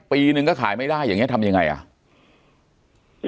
ปีนึงก็ขายไม่ได้อย่างนี้ทำยังไงอ่ะ